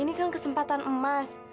ini kan kesempatan emas